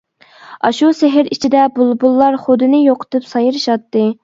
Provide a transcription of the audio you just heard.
ئاشۇ سېھىر ئىچىدە بۇلبۇللار خۇدىنى يوقىتىپ سايرىشاتتى.